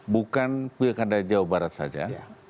bukan pilih kandai jawa barat saja